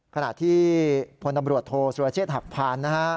ขณะที่พลตำรวจโทษสุรเชษฐหักพานนะฮะ